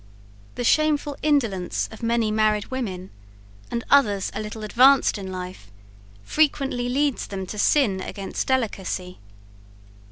The shameful indolence of many married women, and others a little advanced in life, frequently leads them to sin against delicacy.